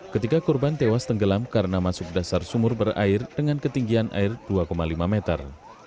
ketiga korban tewas tenggelam karena masuk dasar sumur berair dengan ketinggian air dua lima meter